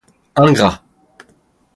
Ingrat!